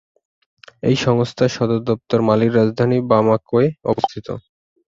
এই সংস্থার সদর দপ্তর মালির রাজধানী বামাকোয় অবস্থিত।